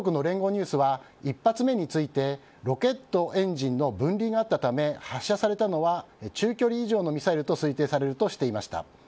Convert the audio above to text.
ニュースは１発目についてロケットエンジンの分離があったため発射されたのは中距離以上のミサイルと推定されるとしていました。